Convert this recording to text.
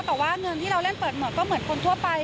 แต่ว่าเงินที่เราเล่นเปิดหมวกก็เหมือนคนทั่วไป